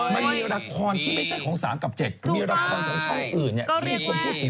ไม่มีละครที่ไม่ใช่ของ๓กับ๗มีละครของช่องอื่นที่คุณพูดถึงกันเยอะ